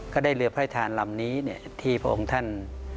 ก็ได้เรือพระทานลำนี้ที่พระองค์ท่าน